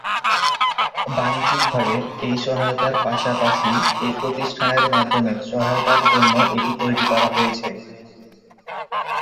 বাণিজ্যিকভাবে এই সহায়তার পাশাপাশি এই প্রতিষ্ঠানের মাধ্যমে সহায়তার জন্য এটি তৈরী করা হয়েছে।